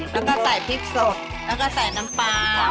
แล้วก็ใส่พริกสดแล้วก็ใส่น้ำปลา